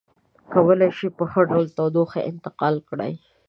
کولی شي په ښه ډول تودوخه انتقال کړي.